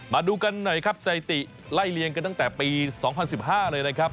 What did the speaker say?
มาดูกันหน่อยครับสถิติไล่เลียงกันตั้งแต่ปี๒๐๑๕เลยนะครับ